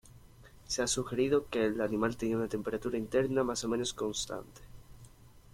Se ha sugerido que el animal tenía una temperatura interna más o menos constante.